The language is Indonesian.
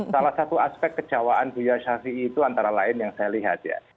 salah satu aspek kejawaan budaya syafi'i itu antara lain yang saya lihat ya